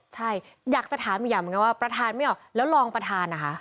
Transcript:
ใช่อยากจะถามอีกอย่างเหมือนกันว่าประธานไม่ออกแล้วรองประธานนะคะ